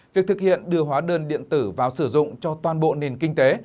việc thực hiện đưa hóa đơn điện tử vào sử dụng cho toàn bộ nền kinh tế